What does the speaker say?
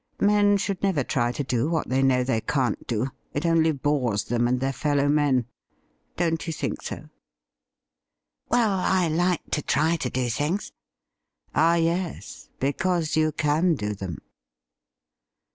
Men should never try to do what they know they can't do ; it only bores them and their fellow men. Don't you think so ?'' Well, I like to try to do things.' ' Ah, yes, because you can do them.'